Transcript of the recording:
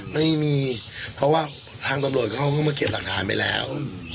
ไม่มีเพราะว่าทางตำรวจเขาก็มาเก็บหลักฐานไปแล้ว